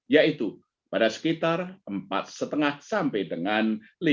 yaitu pada sekitar empat lima sampai dengan lima